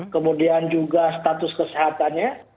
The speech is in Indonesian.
kemudian juga status kesehatannya